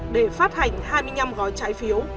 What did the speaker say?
để phát hành hai mươi năm gói trái phiếu